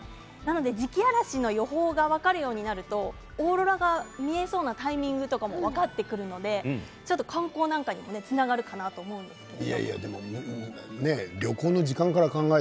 磁気嵐の予報が分かるようになるとオーロラが見えそうなタイミングとかも分かってくるので観光なんかにもつながるかなと思うんですけど。